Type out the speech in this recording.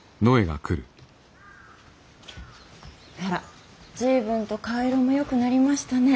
あら随分と顔色もよくなりましたね。